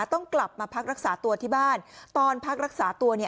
ต้องกลับมาพักรักษาตัวที่บ้านตอนพักรักษาตัวเนี่ย